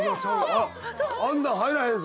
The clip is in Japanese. あんなん入らへんぞ？